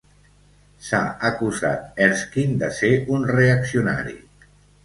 S'ha acusat Erskine de ser un reaccionari.